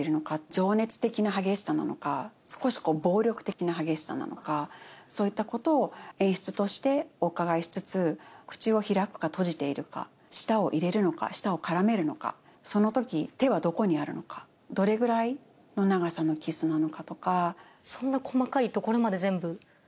情熱的な激しさなのか少し暴力的な激しさなのかそういったことを演出としてお伺いしつつ口を開くか閉じているか舌を入れるのか下を絡めるのかその時、手はどこにあるのかどれぐらいの長さのキスなのかとか。